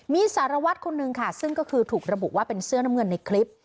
มีสารวัตรคนนึงค่ะซึ่งก็คือถูกระบุว่าเป็นเสื้อน้ำเงินในคลิป